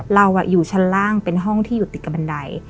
เราอยู่ชั้นล่างเป็นห้องที่อยู่ติดกับบันได